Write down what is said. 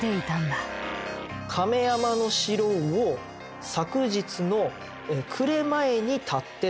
亀山の城を昨日の暮れ前に経ってと。